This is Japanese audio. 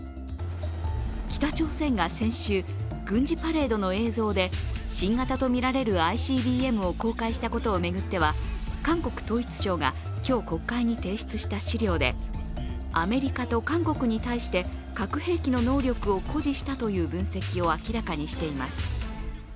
北朝鮮が先週、軍事パレードの映像で新型とみられるＩＣＢＭを公開したことを巡っては、韓国統一省が今日、国会に提出した資料でアメリカと韓国に対して核兵器の能力を誇示したという分析を明らかにしています。